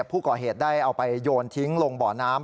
ผู้ก่อเหตุได้เอาไปโยนทิ้งลงบ่อน้ำ